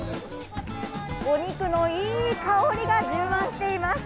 お肉のいい香りが充満しています。